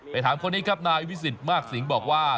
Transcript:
ถามคนนี้ครับนายวิสิทธิ์มากสิงห์บอกว่า